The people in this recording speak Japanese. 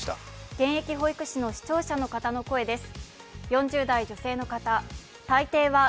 現役保育士の視聴者の方の声です。